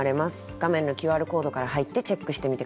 画面のＱＲコードから入ってチェックしてみて下さい。